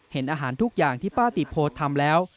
เห็นอาหารทุกอย่างที่ป้าติโพทำแล้ว